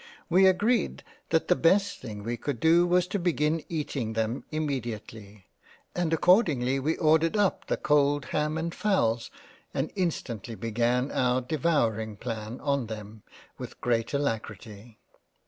We agreed that the best thing we could do was to begin eating them imme diately, and accordingly we ordered up the cold Ham and Fowls, and instantly began our Devouring Plan on them with great Alacrity.